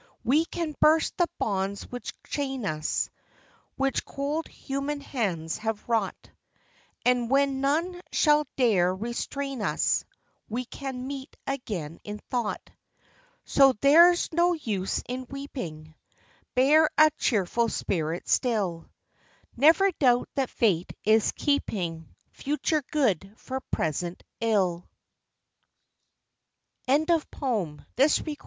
We can burst the bonds which chain us, Which cold human hands have wrought, And when none shall dare restrain u's We can meet again, in thought. So there's no use in weeping, Bear a cheerful spirit still; Never doubt that Fate is keeping Future good for present ill. Charlotte Bro?